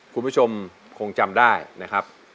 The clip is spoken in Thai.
คุณผู้ชมคงจำได้นะครับ